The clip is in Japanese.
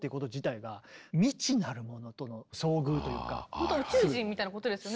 ほんと宇宙人みたいなことですね。